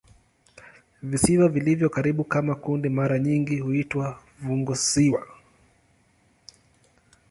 Visiwa vilivyo karibu kama kundi mara nyingi huitwa "funguvisiwa".